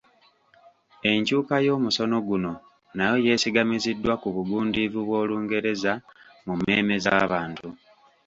Enkyuka y'omusono guno nayo yeesigamiziddwa ku bugundiivu bw'Olungereza mu mmeeme z'abantu